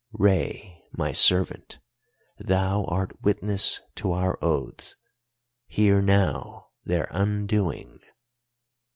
Rei, my servant, thou art witness to our oaths; hear now their undoing.